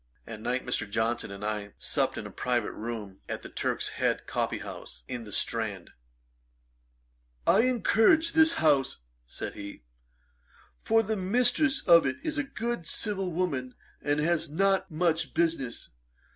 At night Mr. Johnson and I supped in a private room at the Turk's Head coffee house, in the Strand. 'I encourage this house (said he;) for the mistress of it is a good civil woman, and has not much business.'